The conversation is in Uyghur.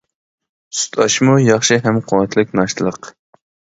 سۈت ئاشمۇ ياخشى ھەم قۇۋۋەتلىك ناشتىلىق.